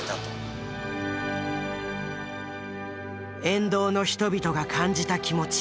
沿道の人々が感じた気持ち。